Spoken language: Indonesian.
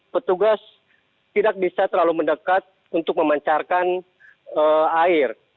petugas tidak bisa terlalu mendekat untuk memancarkan air